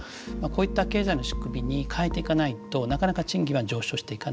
こういった経済の仕組みに変えていかないとなかなか賃金は上昇していかない。